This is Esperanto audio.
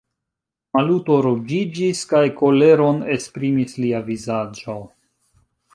Maluto ruĝiĝis, kaj koleron esprimis lia vizaĝo.